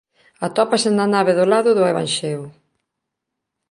Atópase na nave do lado do evanxeo.